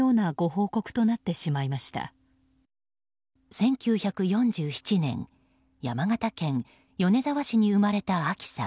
１９４７年山形県米沢市に生まれたあきさん。